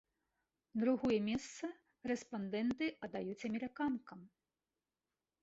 Другое месца рэспандэнты аддаюць амерыканкам.